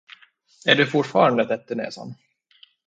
Är du fortfarande täppt i näsan?